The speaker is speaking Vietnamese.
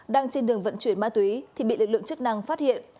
đang trên đường vận chuyển ma túy thì bị lực lượng chức năng phát hiện